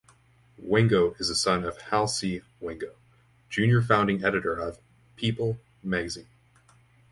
Wingo is the son of Hal C. Wingo, Junior founding editor of "People" magazine.